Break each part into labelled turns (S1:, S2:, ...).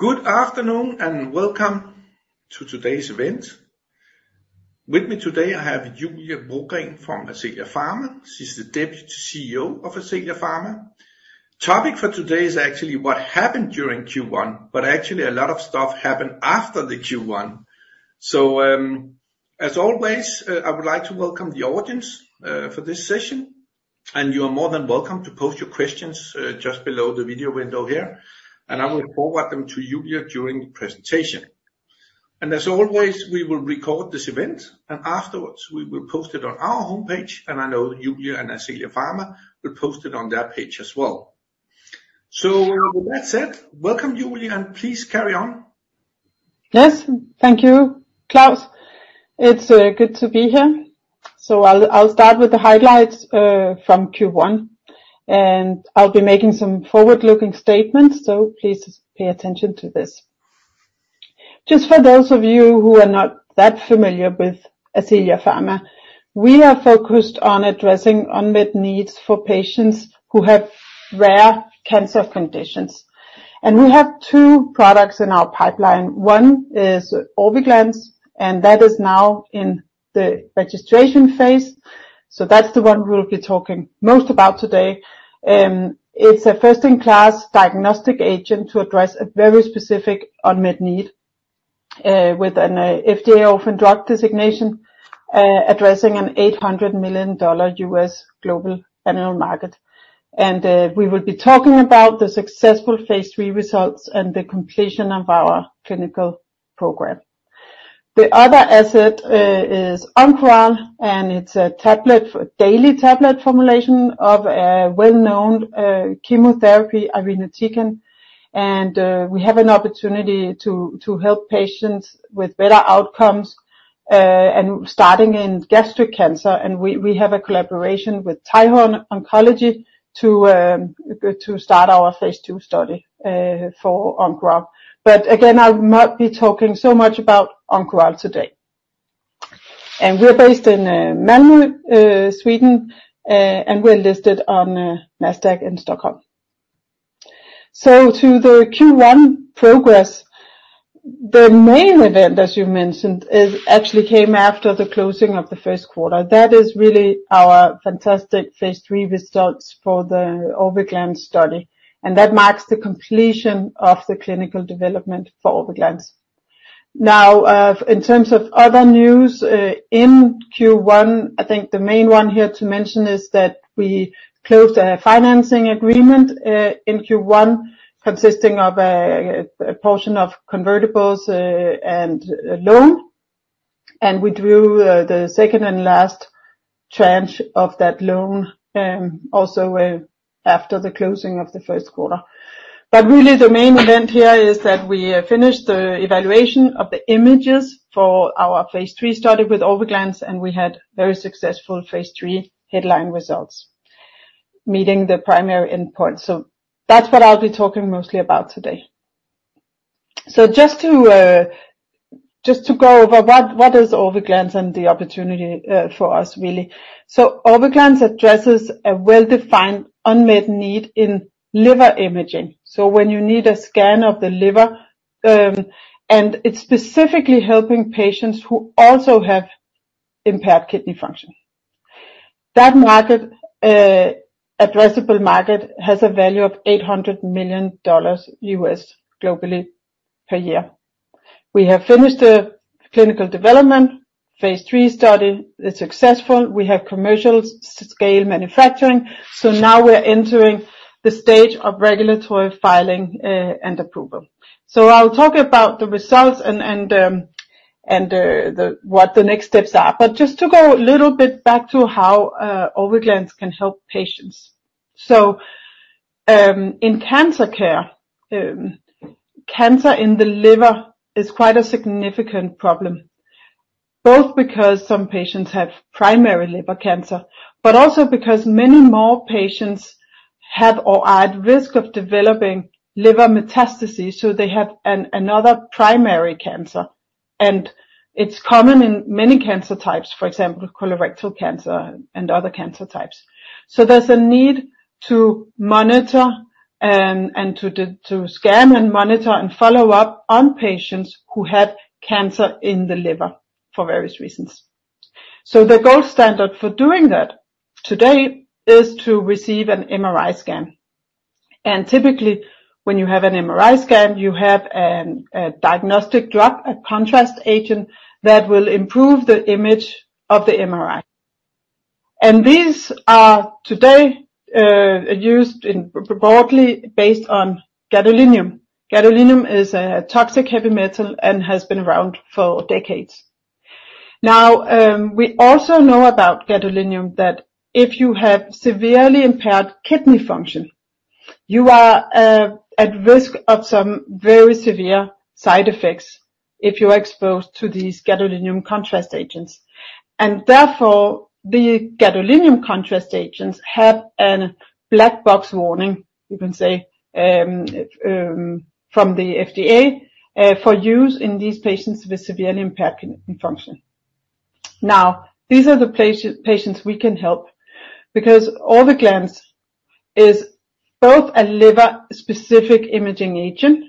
S1: Good afternoon, and welcome to today's event. With me today, I have Julie Brogren from Ascelia Pharma. She's the Deputy CEO of Ascelia Pharma. Topic for today is actually what happened during Q1, but actually a lot of stuff happened after the Q1. As always, I would like to welcome the audience for this session, and you are more than welcome to post your questions just below the video window here, and I will forward them to Julie during the presentation. As always, we will record this event, and afterwards, we will post it on our homepage, and I know Julie and Ascelia Pharma will post it on their page as well. So with that said, welcome, Julie, and please carry on.
S2: Yes, thank you, Claus. It's good to be here. So I'll start with the highlights from Q1, and I'll be making some forward-looking statements, so please pay attention to this. Just for those of you who are not that familiar with Ascelia Pharma, we are focused on addressing unmet needs for patients who have rare cancer conditions. And we have two products in our pipeline. One is Orviglance, and that is now in the registration phase, so that's the one we'll be talking most about today. It's a first-in-class diagnostic agent to address a very specific unmet need with an FDA orphan drug designation, addressing an $800 million U.S. global annual market. And we will be talking about the successful phase III results and the completion of our clinical program. The other asset is Oncoral, and it's a tablet, daily tablet formulation of a well-known chemotherapy, irinotecan. And we have an opportunity to help patients with better outcomes and starting in gastric cancer. And we have a collaboration with Taiho Oncology to start our phase II study for Oncoral. But again, I will not be talking so much about Oncoral today. And we're based in Malmö, Sweden, and we're listed on Nasdaq in Stockholm. So to the Q1 progress, the main event, as you mentioned, is actually came after the closing of the first quarter. That is really our fantastic phase III results for the Orviglance study, and that marks the completion of the clinical development for Orviglance. Now, in terms of other news, in Q1, I think the main one here to mention is that we closed a financing agreement, in Q1, consisting of a portion of convertibles, and a loan, and we drew the second and last tranche of that loan, also, after the closing of the first quarter. But really, the main event here is that we finished the evaluation of the images for our phase III study with Orviglance, and we had very successful phase III headline results, meeting the primary endpoint. So that's what I'll be talking mostly about today. So just to go over what is Orviglance and the opportunity, for us, really. So Orviglance addresses a well-defined, unmet need in liver imaging. So when you need a scan of the liver, and it's specifically helping patients who also have impaired kidney function. That market, addressable market, has a value of $800 million globally per year. We have finished the clinical development. Phase 3 study is successful. We have commercial scale manufacturing, so now we're entering the stage of regulatory filing, and approval. So I'll talk about the results and what the next steps are. But just to go a little bit back to how, Orviglance can help patients. So, in cancer care, cancer in the liver is quite a significant problem, both because some patients have primary liver cancer, but also because many more patients have or are at risk of developing liver metastases, so they have another primary cancer, and it's common in many cancer types, for example, colorectal cancer and other cancer types. So there's a need to monitor and to scan and monitor and follow up on patients who have cancer in the liver for various reasons. So the gold standard for doing that today is to receive an MRI scan. And typically, when you have an MRI scan, you have a diagnostic drug, a contrast agent, that will improve the image of the MRI. And these are today used broadly based on gadolinium. Gadolinium is a toxic heavy metal and has been around for decades. Now, we also know about gadolinium, that if you have severely impaired kidney function, you are at risk of some very severe side effects if you're exposed to these gadolinium contrast agents. And therefore, the gadolinium contrast agents have a black box warning, you can say, from the FDA, for use in these patients with severely impaired kidney function. Now, these are the patients we can help, because Orviglance is both a liver-specific imaging agent,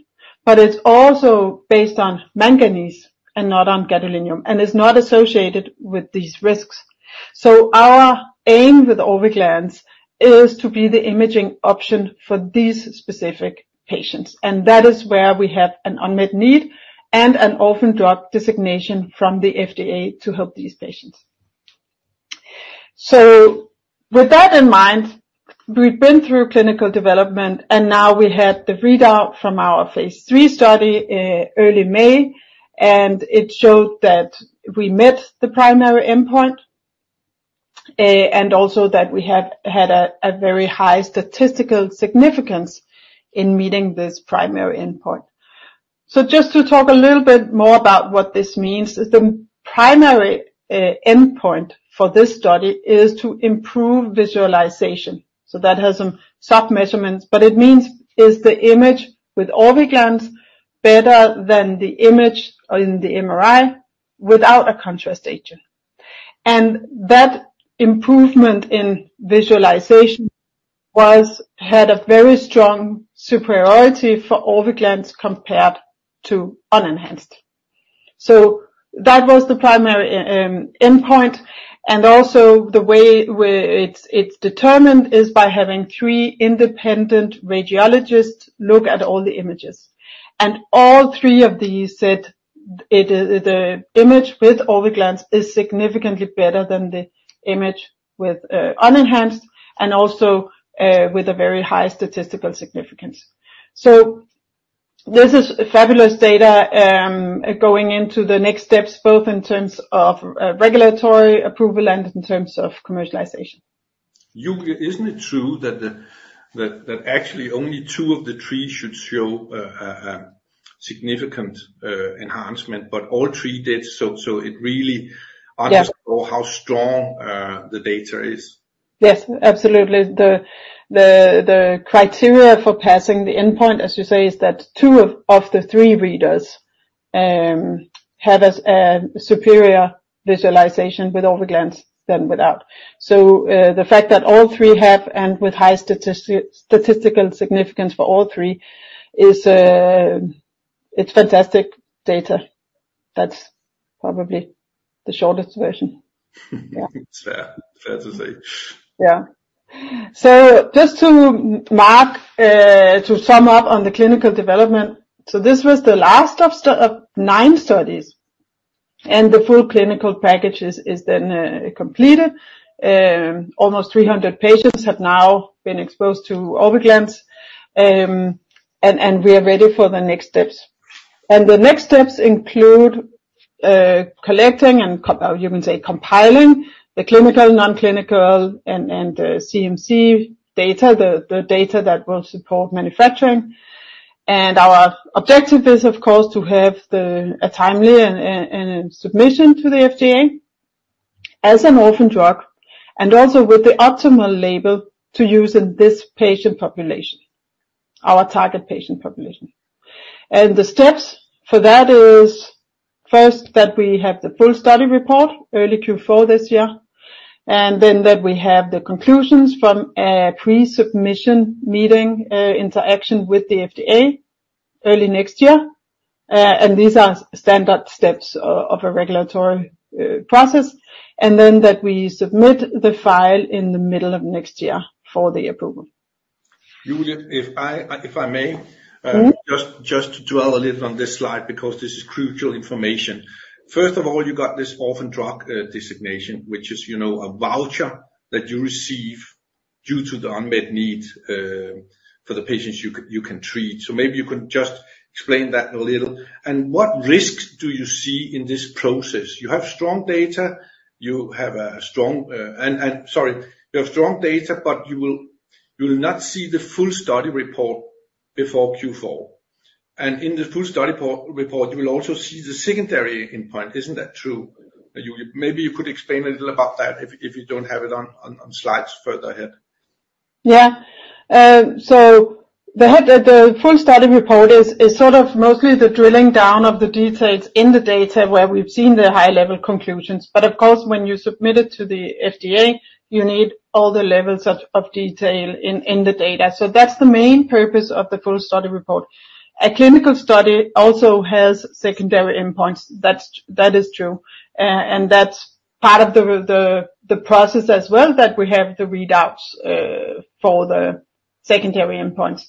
S2: but it's also based on manganese and not on gadolinium, and is not associated with these risks. So our aim with Orviglance is to be the imaging option for these specific patients, and that is where we have an unmet need and an orphan drug designation from the FDA to help these patients. So with that in mind, we've been through clinical development, and now we had the readout from our phase III study early May, and it showed that we met the primary endpoint, and also that we had a very high statistical significance in meeting this primary endpoint. So just to talk a little bit more about what this means, is the primary endpoint for this study is to improve visualization. So that has some soft measurements, but it means, is the image with Orviglance better than the image in the MRI without a contrast agent? And that improvement in visualization had a very strong superiority for Orviglance compared to unenhanced. So that was the primary endpoint, and also the way it's determined is by having 3 independent radiologists look at all the images. And all three of these said the image with Orviglance is significantly better than the image with unenhanced and also with a very high statistical significance. So this is fabulous data going into the next steps, both in terms of regulatory approval and in terms of commercialization.
S1: Julie, isn't it true that actually only two of the three should show a significant enhancement, but all three did, so it really-
S2: Yeah.
S1: underscore how strong the data is?
S2: Yes, absolutely. The criteria for passing the endpoint, as you say, is that two of the three readers have a superior visualization with Orviglance than without. So, the fact that all three have, and with high statistical significance for all three, is... It's fantastic data. That's probably the shortest version. Yeah.
S1: It's fair, fair to say.
S2: Yeah. So just to mark, to sum up on the clinical development, so this was the last of nine studies, and the full clinical package is then completed. Almost 300 patients have now been exposed to Orviglance, and we are ready for the next steps. And the next steps include collecting and you can say, compiling the clinical, non-clinical, and CMC data, the data that will support manufacturing. And our objective is, of course, to have a timely submission to the FDA as an orphan drug, and also with the optimal label to use in this patient population, our target patient population. The steps for that is, first, that we have the full study report early Q4 this year, and then that we have the conclusions from a pre-submission meeting, interaction with the FDA early next year. And these are standard steps of a regulatory process, and then that we submit the file in the middle of next year for the approval.
S1: Julie, if I may-
S2: Mm-hmm.
S1: Just, just to dwell a little on this slide, because this is crucial information. First of all, you got this orphan drug designation, which is, you know, a voucher that you receive due to the unmet need for the patients you can treat. So maybe you can just explain that a little. And what risks do you see in this process? You have strong data, you have a strong... and, and sorry, you have strong data, but you will, you will not see the full study report before Q4. And in the full study report, you will also see the secondary endpoint. Isn't that true, Julie? Maybe you could explain a little about that, if you don't have it on slides further ahead.
S2: Yeah. So the full study report is sort of mostly the drilling down of the details in the data where we've seen the high-level conclusions. But of course, when you submit it to the FDA, you need all the levels of detail in the data. So that's the main purpose of the full study report. A clinical study also has secondary endpoints. That's true. And that's part of the process as well, that we have the readouts for the secondary endpoints.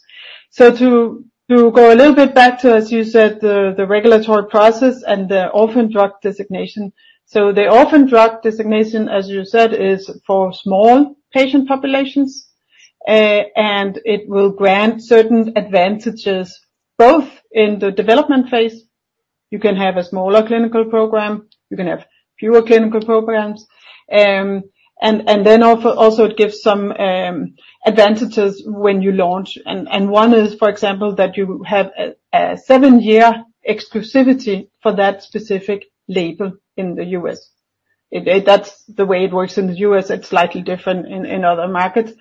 S2: So to go a little bit back to, as you said, the regulatory process and the Orphan Drug Designation. So the Orphan Drug Designation, as you said, is for small patient populations, and it will grant certain advantages both in the development phase. You can have a smaller clinical program, you can have fewer clinical programs. And then also it gives some advantages when you launch. And one is, for example, that you have a seven-year exclusivity for that specific label in the U.S.. That's the way it works in the U.S., it's slightly different in other markets.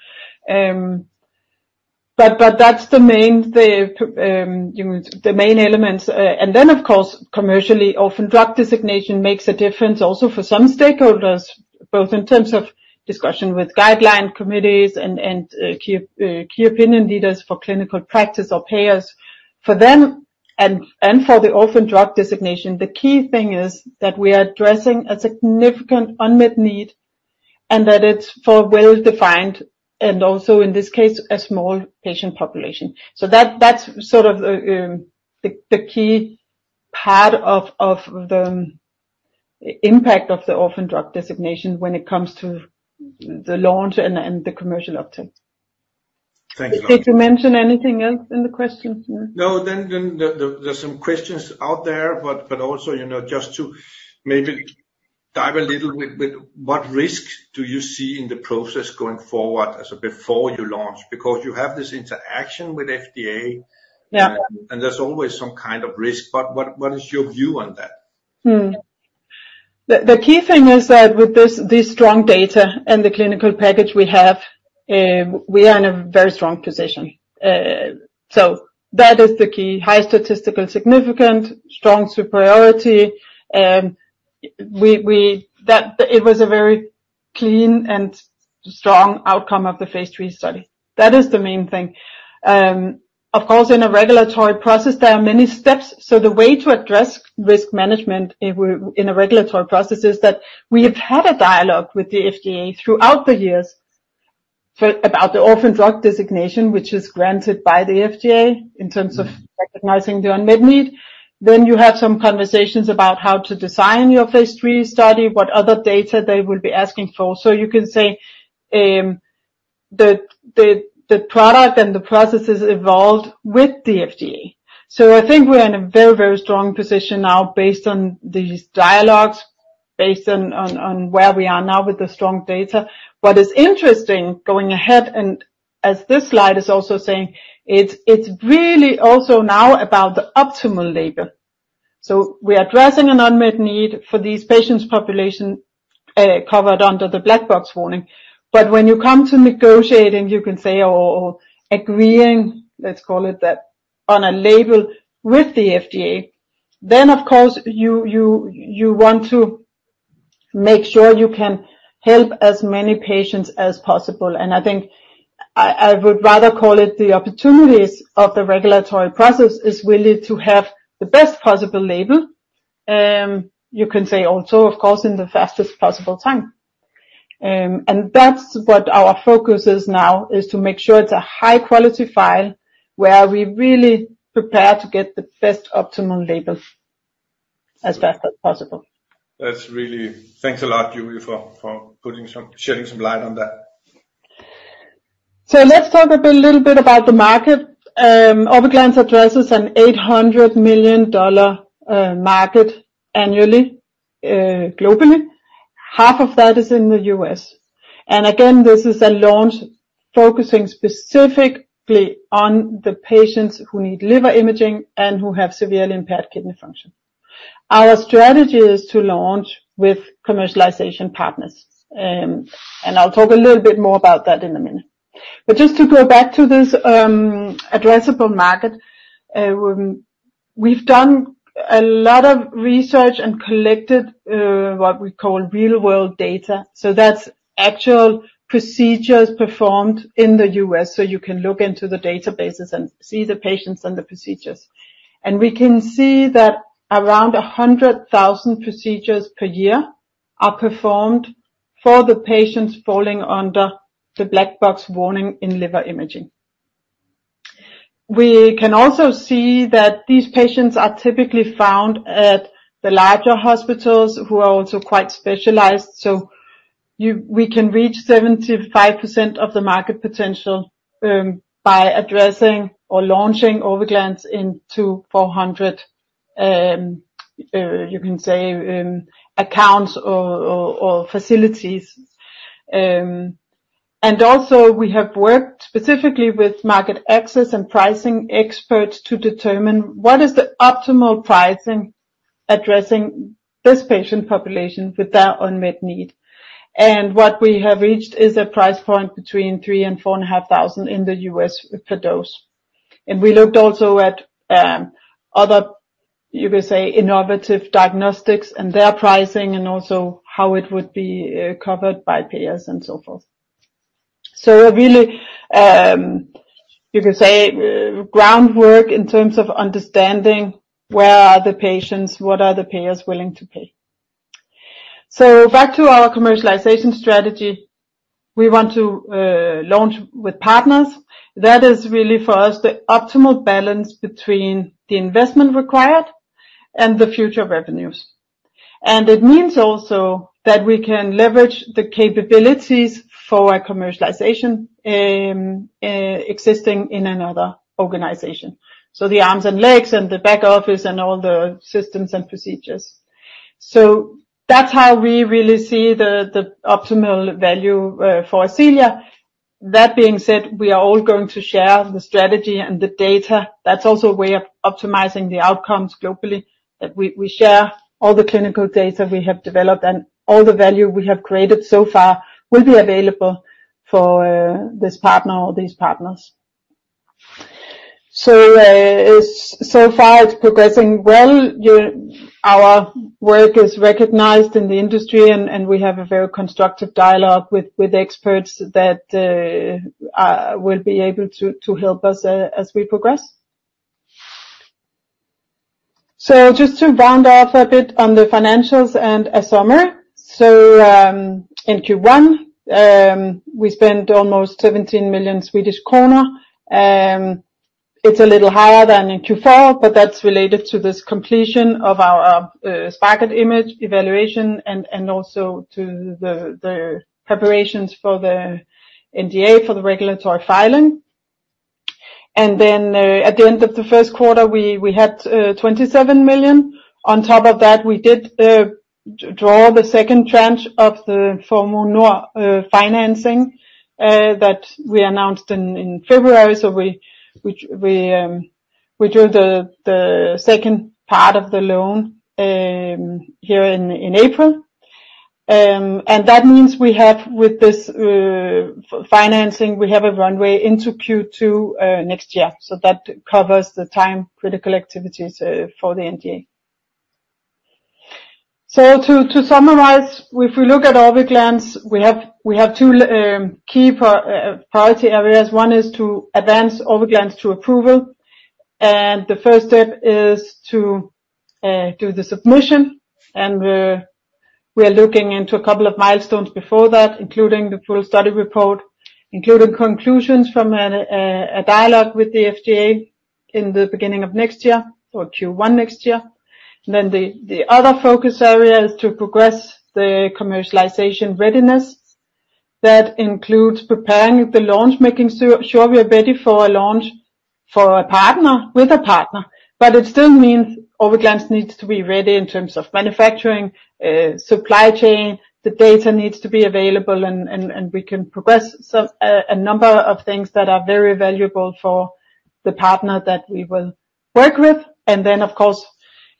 S2: But that's the main, the main elements. And then, of course, commercially, orphan drug designation makes a difference also for some stakeholders, both in terms of discussion with guideline committees and key opinion leaders for clinical practice or payers. For them, and for the orphan drug designation, the key thing is that we are addressing a significant unmet need, and that it's for well-defined, and also in this case, a small patient population. So that's sort of the key part of the impact of the Orphan Drug Designation when it comes to the launch and the commercial uptake.
S1: Thank you.
S2: Did you mention anything else in the question?
S1: No, then there, there's some questions out there, but also, you know, just to maybe dive a little bit with what risks do you see in the process going forward as before you launch? Because you have this interaction with FDA-
S2: Yeah.
S1: and there's always some kind of risk, but what, what is your view on that?
S2: The key thing is that with this strong data and the clinical package we have, we are in a very strong position. So that is the key, high statistical significant, strong superiority. That it was a very clean and strong outcome of the phase III study. That is the main thing. Of course, in a regulatory process, there are many steps. So the way to address risk management in a regulatory process is that we have had a dialogue with the FDA throughout the years about the Orphan Drug Designation, which is granted by the FDA, in terms of recognizing the unmet need. Then you have some conversations about how to design your phase III study, what other data they will be asking for. So you can say, the product and the processes evolved with the FDA. So I think we're in a very, very strong position now based on these dialogues, based on where we are now with the strong data. What is interesting, going ahead, and as this slide is also saying, it's really also now about the optimal label. So we are addressing an unmet need for these patients population, covered under the Black Box warning. But when you come to negotiating, you can say, or agreeing, let's call it that, on a label with the FDA, then, of course, you want to make sure you can help as many patients as possible. And I think I would rather call it the opportunities of the regulatory process, is really to have the best possible label. You can say also, of course, in the fastest possible time. And that's what our focus is now, is to make sure it's a high quality file, where we really prepare to get the best optimal labels as fast as possible.
S1: That's really, thanks a lot, Julie, for shedding some light on that.
S2: So let's talk a bit, little bit about the market. Orviglance addresses an $800 million market annually, globally. Half of that is in the U.S.. And again, this is a launch focusing specifically on the patients who need liver imaging and who have severely impaired kidney function. Our strategy is to launch with commercialization partners. And I'll talk a little bit more about that in a minute. But just to go back to this, addressable market, we've done a lot of research and collected what we call real-world data, so that's actual procedures performed in the U.S., so you can look into the databases and see the patients and the procedures. And we can see that around 100,000 procedures per year are performed for the patients falling under the Black Box warning in liver imaging. We can also see that these patients are typically found at the larger hospitals, who are also quite specialized. So we can reach 75% of the market potential by addressing or launching Orviglance into 400, you can say, accounts or facilities. And also, we have worked specifically with market access and pricing experts to determine what is the optimal pricing, addressing this patient population with their unmet need. And what we have reached is a price point between $3,000-$4,500 in the U.S. per dose. And we looked also at other, you could say, innovative diagnostics and their pricing, and also how it would be covered by payers and so forth. So really, you could say, groundwork in terms of understanding where are the patients, what are the payers willing to pay? So back to our commercialization strategy. We want to launch with partners. That is really, for us, the optimal balance between the investment required and the future revenues. And it means also that we can leverage the capabilities for our commercialization, existing in another organization. So the arms and legs, and the back office, and all the systems and procedures. So that's how we really see the optimal value, for Ascelia. That being said, we are all going to share the strategy and the data. That's also a way of optimizing the outcomes globally, that we share all the clinical data we have developed, and all the value we have created so far will be available for this partner or these partners. So, so far, it's progressing well. Our work is recognized in the industry, and we have a very constructive dialogue with experts that will be able to help us as we progress. So just to round off a bit on the financials and a summary. So, in Q1, we spent almost 17 million Swedish kronor, it's a little higher than in Q4, but that's related to this completion of our SPARKLE image evaluation and also to the preparations for the NDA, for the regulatory filing. And then, at the end of the first quarter, we had 27 million. On top of that, we did draw the second tranche of the Formue Nord financing that we announced in February. So we drew the second part of the loan here in April. And that means we have with this financing, we have a runway into Q2 next year. So that covers the time-critical activities for the NDA. So to summarize, if we look at Orviglance, we have two key priority areas. One is to advance Orviglance to approval, and the first step is to do the submission, and we are looking into a couple of milestones before that, including the full study report, including conclusions from a dialogue with the FDA in the beginning of next year or Q1 next year. And then the other focus area is to progress the commercialization readiness. That includes preparing the launch, making sure we are ready for a launch for a partner, with a partner. But it still means Orviglance needs to be ready in terms of manufacturing, supply chain, the data needs to be available, and we can progress some a number of things that are very valuable for the partner that we will work with.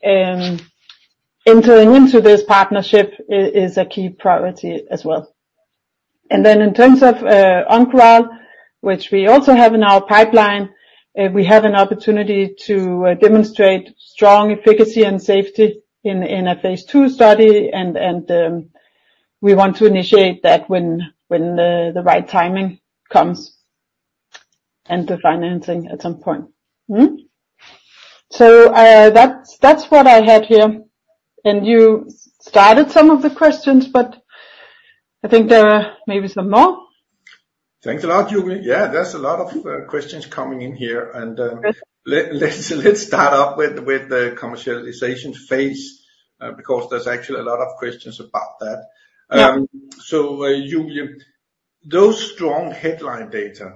S2: And then, of course, entering into this partnership is a key priority as well. In terms of Oncoral, which we also have in our pipeline, we have an opportunity to demonstrate strong efficacy and safety in a phase II study, and we want to initiate that when the right timing comes, and the financing at some point. So, that's what I had here, and you started some of the questions, but I think there are maybe some more.
S1: Thanks a lot, Julie. Yeah, there's a lot of questions coming in here, and...
S2: Good.
S1: Let's start off with the commercialization phase, because there's actually a lot of questions about that.
S2: Yeah.
S1: So, Julie, those strong headline data,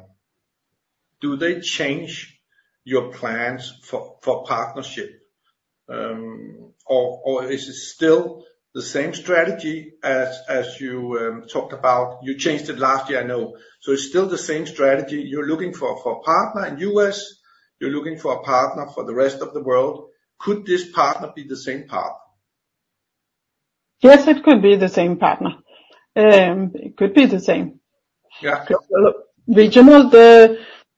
S1: do they change your plans for partnership? Or is it still the same strategy as you talked about? You changed it last year, I know. So it's still the same strategy, you're looking for a partner in U.S., you're looking for a partner for the rest of the world. Could this partner be the same partner?
S2: Yes, it could be the same partner. It could be the same.
S1: Yeah.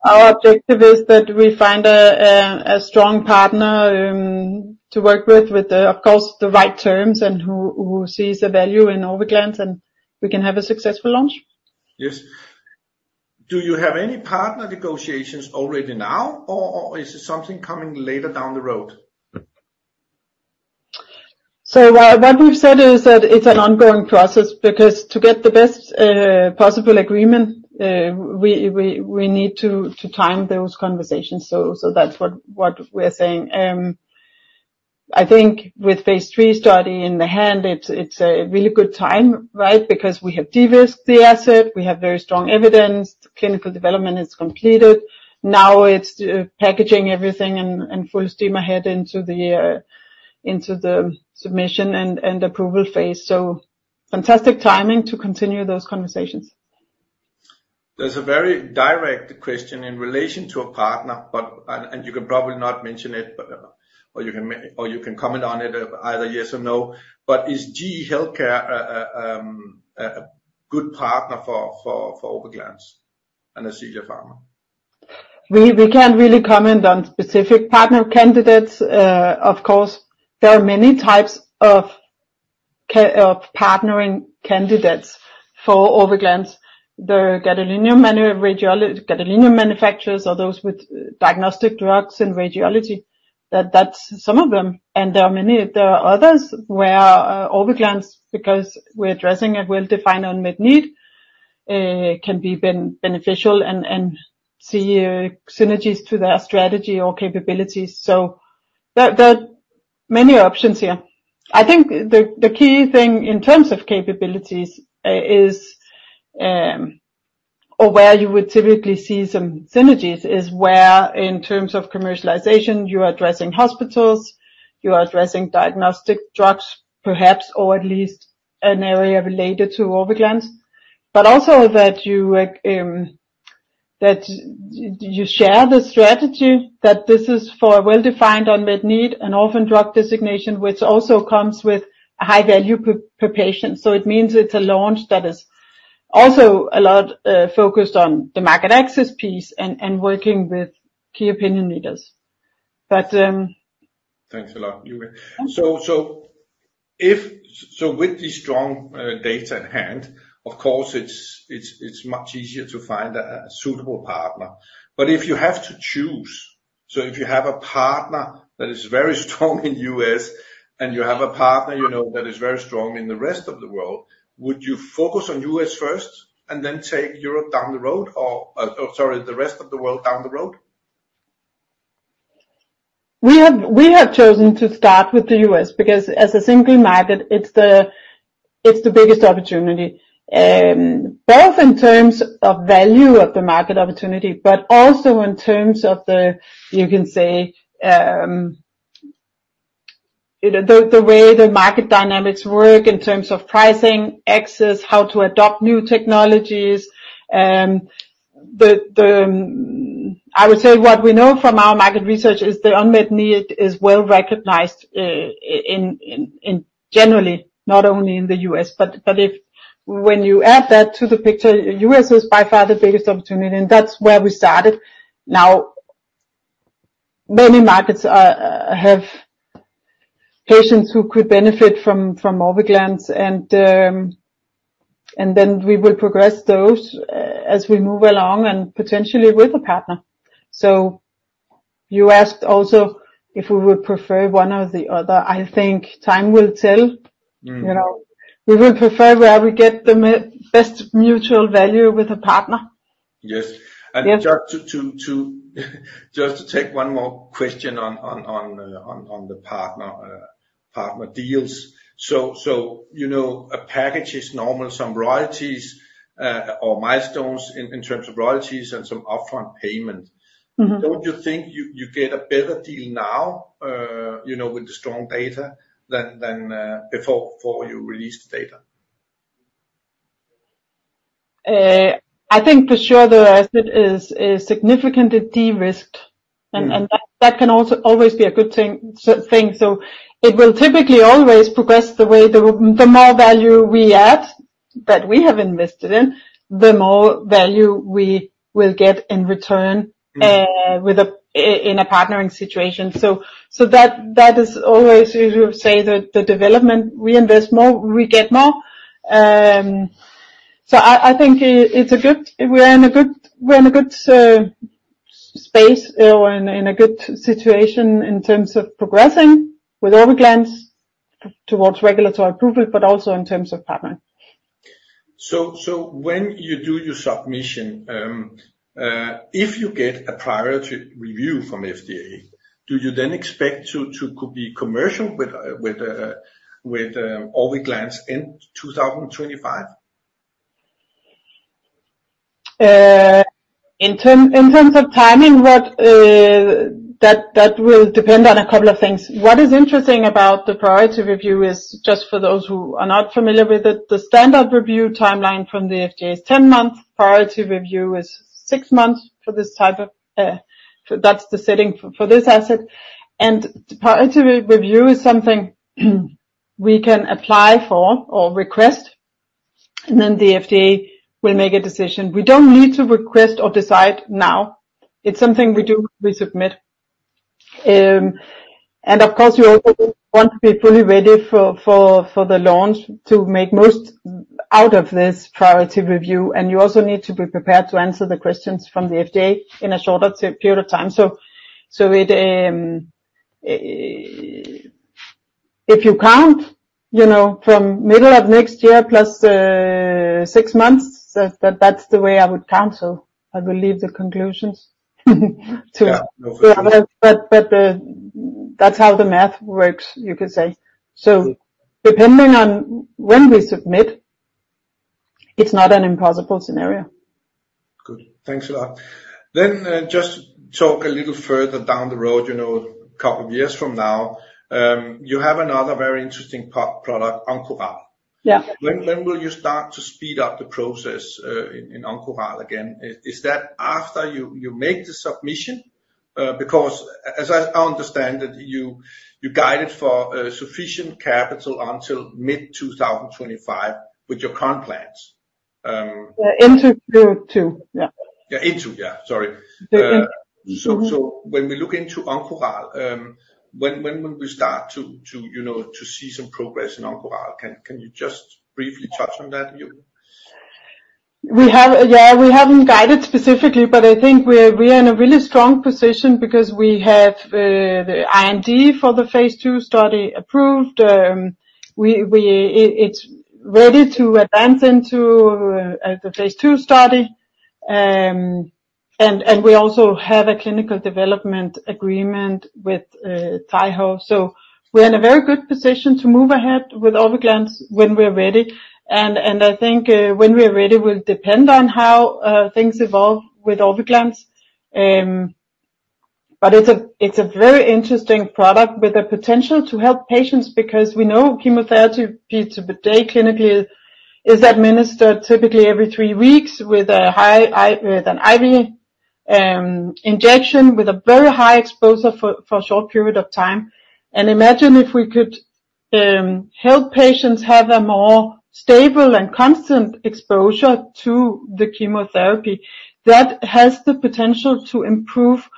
S2: Our objective is that we find a strong partner to work with, with of course the right terms, and who sees the value in Orviglance, and we can have a successful launch.
S1: Yes. Do you have any partner negotiations already now, or, or is it something coming later down the road?
S2: So what we've said is that it's an ongoing process, because to get the best possible agreement, we need to time those conversations. So that's what we are saying. I think with phase III study in the hand, it's a really good time, right? Because we have de-risked the asset, we have very strong evidence, clinical development is completed. Now, it's packaging everything and full steam ahead into the submission and approval phase. So fantastic timing to continue those conversations.
S1: There's a very direct question in relation to a partner, but... And you can probably not mention it, but, or you can comment on it, either yes or no. But is GE HealthCare a good partner for Orviglance and Ascelia Pharma?
S2: We can't really comment on specific partner candidates. Of course, there are many types of partnering candidates for Orviglance. The gadolinium manufacturers are those with diagnostic drugs and radiology. That's some of them, and there are many. There are others where Orviglance, because we're addressing a well-defined unmet need, can be beneficial and see synergies to their strategy or capabilities. So there are many options here. I think the key thing in terms of capabilities, or where you would typically see some synergies, is where, in terms of commercialization, you are addressing hospitals, you are addressing diagnostic drugs, perhaps, or at least an area related to Orviglance. But also that you share the strategy, that this is for a well-defined unmet need, an orphan drug designation, which also comes with a high value per patient. So it means it's a launch that is also a lot focused on the market access piece and working with key opinion leaders. But
S1: Thanks a lot, Julie. So with these strong data at hand, of course, it's much easier to find a suitable partner. But if you have to choose, so if you have a partner that is very strong in U.S., and you have a partner, you know, that is very strong in the rest of the world, would you focus on U.S. first, and then take Europe down the road or sorry, the rest of the world down the road?
S2: We have chosen to start with the U.S. because as a single market, it's the biggest opportunity, both in terms of value of the market opportunity, but also in terms of the, you can say, you know, the way the market dynamics work in terms of pricing, access, how to adopt new technologies. I would say what we know from our market research is the unmet need is well recognized, in generally, not only in the U.S., but if when you add that to the picture, U.S. is by far the biggest opportunity, and that's where we started. Now, many markets have patients who could benefit from Orviglance, and then we will progress those, as we move along and potentially with a partner. You asked also if we would prefer one or the other. I think time will tell.
S1: Mm.
S2: You know, we will prefer where we get the best mutual value with a partner.
S1: Yes.
S2: Yes.
S1: And just to take one more question on the partner deals. So, you know, a package is normal, some royalties or milestones in terms of royalties and some upfront payment.
S2: Mm-hmm.
S1: Don't you think you get a better deal now, you know, with the strong data than before you released the data?
S2: I think for sure the asset is significantly de-risked.
S1: Mm.
S2: And that can also always be a good thing. So it will typically always progress the way, the more value we add, that we have invested in, the more value we will get in return-
S1: Mm...
S2: with a, in a partnering situation. So that is always, as you say, the development, we invest more, we get more. So I think it's a good—we're in a good space or in a good situation in terms of progressing with Orviglance towards regulatory approval, but also in terms of partner.
S1: So when you do your submission, if you get a priority review from FDA, do you then expect to be commercial with Orviglance in 2025?
S2: In terms of timing, that will depend on a couple of things. What is interesting about the Priority Review is, just for those who are not familiar with it, the standard review timeline from the FDA is 10 months, Priority Review is 6 months for this type of, so that's the setting for this asset. Priority Review is something we can apply for or request, and then the FDA will make a decision. We don't need to request or decide now. It's something we do, we submit. And of course, you also want to be fully ready for the launch to make most out of this Priority Review, and you also need to be prepared to answer the questions from the FDA in a shorter period of time. If you count, you know, from middle of next year plus six months, that's the way I would count, so I will leave the conclusions to-
S1: Yeah, no-...
S2: But that's how the math works, you could say. So depending on when we submit, it's not an impossible scenario.
S1: Good. Thanks a lot. Then, just talk a little further down the road, you know, a couple of years from now. You have another very interesting product, Oncoral.
S2: Yeah.
S1: When will you start to speed up the process in Oncoral again? Is that after you make the submission? Because as I understand it, you guided for sufficient capital until mid-2025 with your current plans.
S2: Yeah, into two, yeah.
S1: Yeah, yeah, sorry.
S2: Yeah. Mm-hmm.
S1: So, when we look into Oncoral, when will we start to, you know, to see some progress in Oncoral? Can you just briefly touch on that, Julie?
S2: Yeah, we haven't guided specifically, but I think we are in a really strong position because we have the IND for the phase II study approved. It's ready to advance into the phase II study. And we also have a clinical development agreement with Taiho. So we're in a very good position to move ahead with Orviglance when we're ready. And I think when we are ready will depend on how things evolve with Orviglance. But it's a very interesting product with the potential to help patients, because we know chemotherapy today, clinically, is administered typically every three weeks with a high IV injection with a very high exposure for a short period of time. And imagine if we could help patients have a more stable and constant exposure to the chemotherapy, that has the potential to improve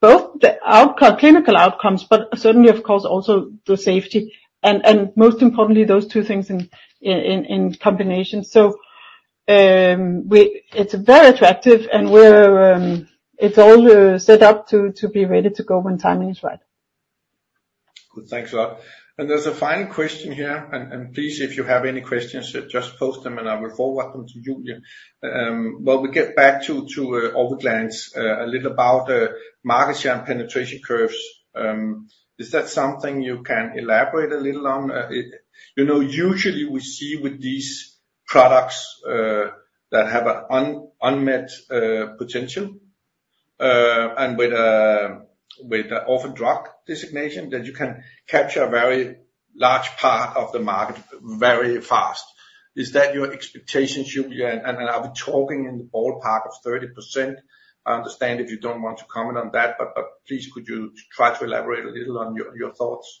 S2: both the outcome, clinical outcomes, but certainly, of course, also the safety, and most importantly, those two things in combination. So, it's very attractive, and we're, it's all set up to be ready to go when timing is right.
S1: Good. Thanks a lot. And there's a final question here, and please, if you have any questions, just post them, and I will forward them to Julie. But we get back to Orviglance's, a little about the market share and penetration curves. Is that something you can elaborate a little on? You know, usually we see with these products that have a unmet potential, and with the orphan drug designation, that you can capture a very large part of the market very fast. Is that your expectation, Julie? And are we talking in the ballpark of 30%? I understand if you don't want to comment on that, but please, could you try to elaborate a little on your thoughts?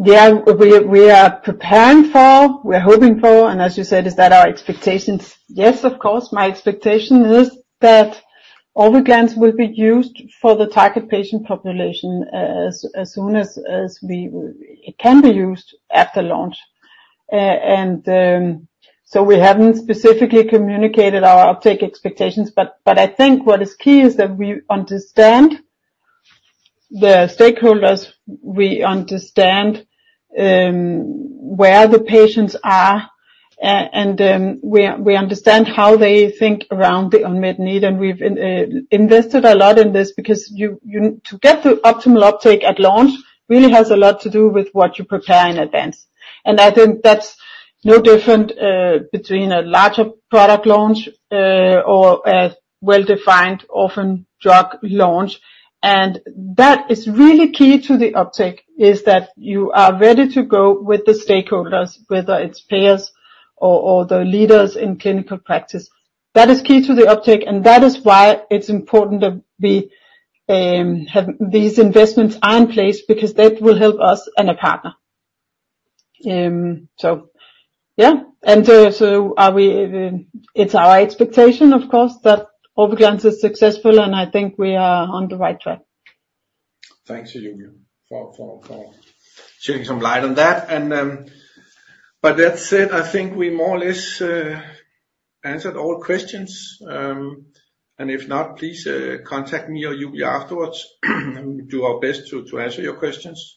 S2: Yeah, we are preparing for, we're hoping for, and as you said, is that our expectations? Yes, of course. My expectation is that Orviglance will be used for the target patient population as soon as it can be used after launch. So we haven't specifically communicated our uptake expectations, but I think what is key is that we understand the stakeholders, we understand where the patients are, and we understand how they think around the unmet need. And we've invested a lot in this because to get the optimal uptake at launch really has a lot to do with what you prepare in advance. And I think that's no different between a larger product launch or a well-defined orphan drug launch. And that is really key to the uptake, is that you are ready to go with the stakeholders, whether it's payers or, or the leaders in clinical practice. That is key to the uptake, and that is why it's important that we have these investments are in place, because that will help us and our partner. So yeah, and so are we, it's our expectation, of course, that Orviglance is successful, and I think we are on the right track.
S1: Thanks, Julie, for shedding some light on that. But that said, I think we more or less answered all questions. And if not, please, contact me or Julie afterwards, and we'll do our best to answer your questions.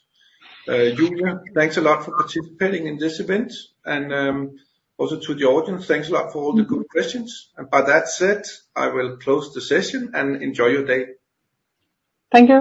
S1: Julie, thanks a lot for participating in this event. And also to the audience, thanks a lot for all the good questions. And by that said, I will close the session, and enjoy your day.
S2: Thank you.